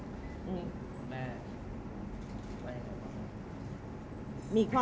เขาพูดมาแค่นี้บอกว่าเขาก็ไม่อยากให้ความเด็ดต่อเพราะว่าเป็นการกระทั่ง